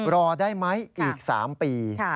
รอได้ไหมอีก๓ปี